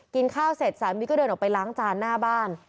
กินข้าวเสร็จสามีก็เดินออกไปล้างจานหน้าบ้าน